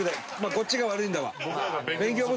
こっちが悪いんだわ。